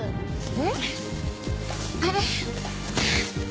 えっ？あれ？